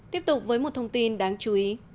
tiếp tục với một thông tin đáng chú ý